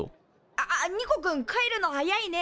ああっニコくん帰るの早いね。